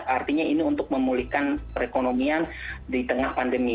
artinya ini untuk memulihkan perekonomian di tengah pandemi